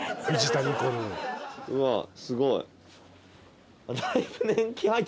うわすごい。